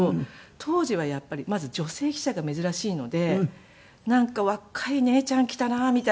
当時はやっぱりまず女性記者が珍しいのでなんか若い姉ちゃん来たなみたいな感じで。